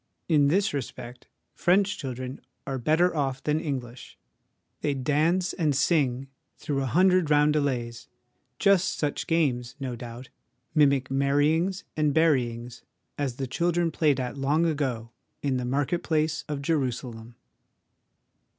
In this respect French children are better off than English ; they dance and sing through a hundred roundelays just such games, no doubt, mimic marryings and buryings, as the children played at long ago in the market place of Jerusalem.